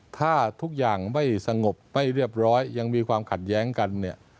ถ้าทุกอย่างไม่สงบไม่เรียบร้อยยังมีความขัดแย้งกันเนี่ย